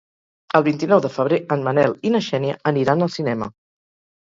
El vint-i-nou de febrer en Manel i na Xènia aniran al cinema.